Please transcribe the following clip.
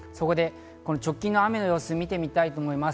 直近の雨の様子を見てみたいと思います。